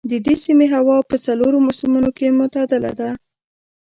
د دې سیمې هوا په څلورو موسمونو کې معتدله ده.